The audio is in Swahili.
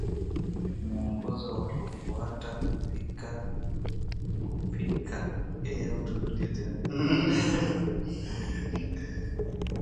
Muongozo wa kufuata kupika pilau la viazi lishe